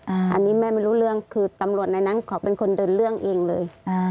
อันนี้แม่ไม่รู้เรื่องคือตำรวจในนั้นเขาเป็นคนเดินเรื่องเองเลย